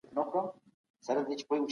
لیکوال وایي چي شعور کرار کرار وده کوي.